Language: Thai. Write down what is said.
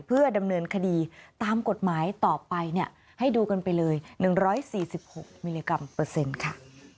เพื่อดำเนินคดีตามกฎหมายต่อไปเนี่ยให้ดูกันไปเลย๑๔๖มิลลิกรัมเปอร์เซ็นต์ค่ะ